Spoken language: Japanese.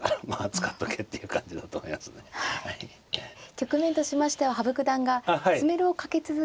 局面としましては羽生九段が詰めろをかけ続ければ。